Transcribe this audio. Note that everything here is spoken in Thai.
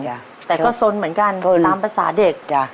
แต่ก็สนเหมือนกันตามภาษาเด็กจ้ะ